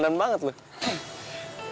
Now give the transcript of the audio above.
kanak jalanan banget lo